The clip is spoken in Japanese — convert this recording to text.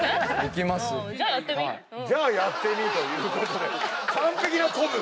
「じゃあやってみ」ということで完璧な子分。